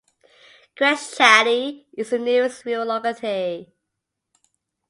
Khreshchaty is the nearest rural locality.